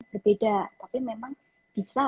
berbeda tapi memang bisa